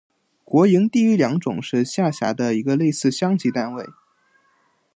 国营第一良种是下辖的一个类似乡级单位。